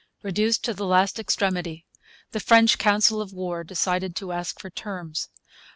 Reduced to the last extremity, the French council of war decided to ask for terms.